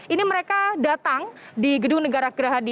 ini mereka datang di gedung negara gerahadi